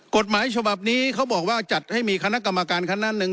กฎหมายฉบับนี้เขาบอกว่าจัดให้มีคณะกรรมการคณะหนึ่ง